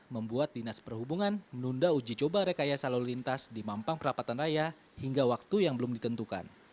membuat dinas perhubungan menunda uji coba rekayasa lalu lintas di mampang perapatan raya hingga waktu yang belum ditentukan